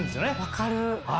分かる。